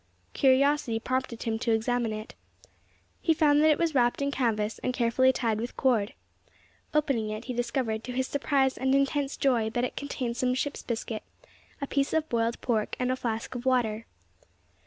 Curiosity prompted him to examine it. He found that it was wrapped in canvas, and carefully tied with cord. Opening it he discovered to his surprise and intense joy that it contained some ship's biscuit, a piece of boiled pork, and a flask of water.